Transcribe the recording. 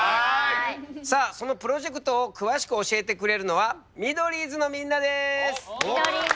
さあそのプロジェクトを詳しく教えてくれるのはミドリーズのみんなです。